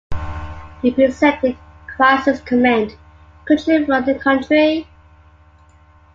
He presented Crisis Command - Could you run the country?